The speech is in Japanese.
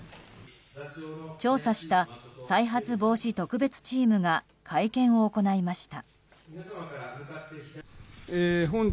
調査した再発防止特別チームが会見を行いました。